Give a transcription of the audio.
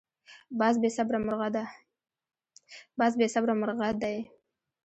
باز بې صبره مرغه دی